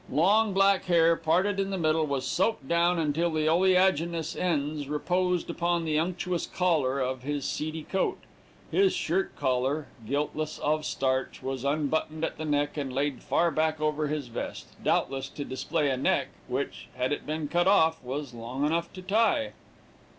Long, black hair, parted in the middle, was soaped down until the oleaginous ends reposed upon the unctuous collar of his seedy coat. His shirt collar, guiltless of starch, was unbuttoned at the neck and laid far back over his vest, doubtless to display a neck which, had it been cut off, was long enough to tie.